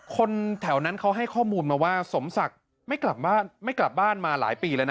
คนแถวนั้นเขาให้ข้อมูลมาว่าสมศักดิ์ไม่กลับบ้านไม่กลับบ้านมาหลายปีแล้วนะ